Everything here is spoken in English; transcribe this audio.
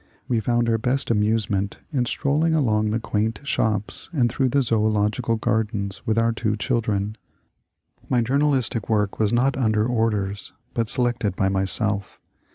We found our best amusement in strolling along the quaint shops and through the Zoological Gardens with our two children. My journalistic work was not under orders, but selected by myself.